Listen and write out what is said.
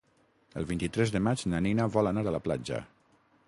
El vint-i-tres de maig na Nina vol anar a la platja.